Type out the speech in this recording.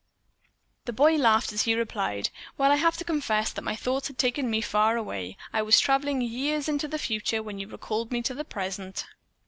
The boy laughed as he replied: "I will have to confess that my thoughts had taken me far away. I was traveling years into the future when you recalled me to the present."